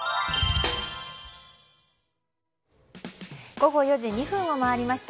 午後４時２分を回りました。